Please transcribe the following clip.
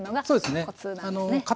そうですね。